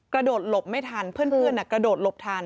กระโดดหลบไม่ทันเพื่อนกระโดดหลบทัน